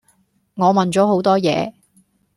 我問咗好多野